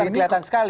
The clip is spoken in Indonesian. ini kelihatan sekali